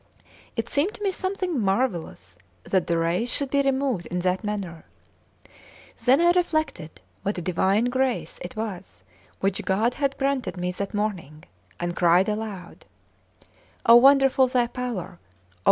It seemed to me something marvellous that the rays should be removed in that manner. Then I reflected what divine grace it was which God had granted me that morning, and cried aloud: "Oh, wonderful Thy power!